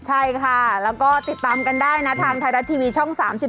ใช่ค่ะแล้วก็ติดตามกันได้นะทางไทยรัฐทีวีช่อง๓๒